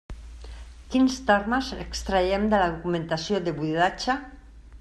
Quins termes extraiem de la documentació de buidatge?